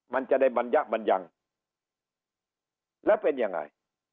มันจะได้บรรยะบัญญังแล้วเป็นยังไง